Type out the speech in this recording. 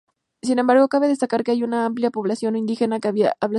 Sin embargo, cabe destacar que hay una amplia población no indígena, que habla español.